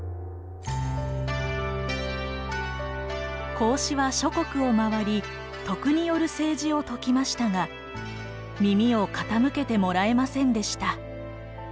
孔子は諸国を回り徳による政治を説きましたが耳を傾けてもらえませんでした。